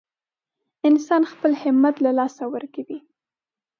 انسان خپل همت له لاسه ورکوي.